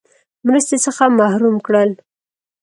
مرستې څخه محروم کړل.